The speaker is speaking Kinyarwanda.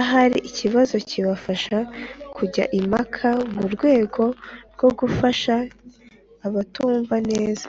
ahari ikibazo kibafasha kujya impaka. Mu rwego rwo gufasha abatumva neza